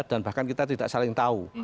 dan bahkan kita tidak saling tahu